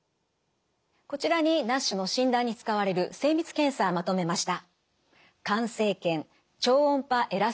こちらにＮＡＳＨの診断に使われる精密検査まとめました。